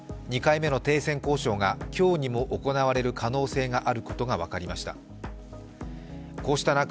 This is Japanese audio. ２回目の停戦交渉が今日にも行われる可能性のがあることが分かりました